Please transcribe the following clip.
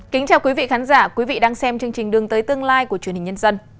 kính chào quý vị khán giả quý vị đang xem chương trình đường tới tương lai của truyền hình nhân dân